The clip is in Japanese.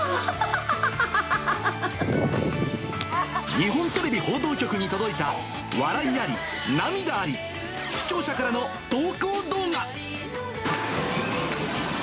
日本テレビ報道局に届いた、笑いあり、涙あり、視聴者からの投稿動画。